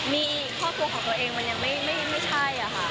มีครอบครัวของตัวเองมันยังไม่ใช่ค่ะ